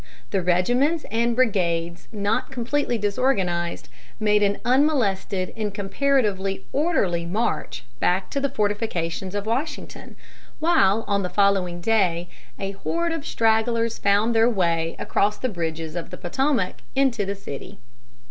The regiments and brigades not completely disorganized made an unmolested and comparatively orderly march back to the fortifications of Washington, while on the following day a horde of stragglers found their way across the bridges of the Potomac into the city.